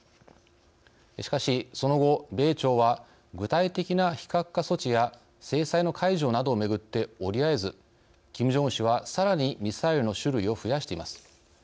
しかし、その後米朝は具体的な非核化措置や制裁の解除などをめぐって折り合えずキム・ジョンウン氏は、さらにミサイルの種類を増やしています。